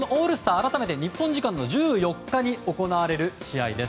改めて日本時間の１４日に行われる試合です。